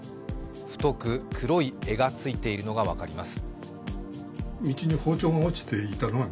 太く黒い柄がついているのが分かります。